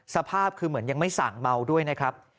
สภาพคือเหมือนยังไม่สั่งเมาด้วยนะครับ